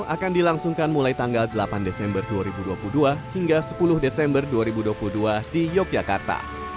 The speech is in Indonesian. akan dilangsungkan mulai tanggal delapan desember dua ribu dua puluh dua hingga sepuluh desember dua ribu dua puluh dua di yogyakarta